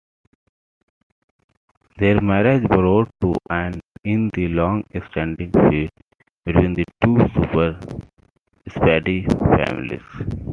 Their marriage brought to an end the long-standing feud between the two super-speedy families.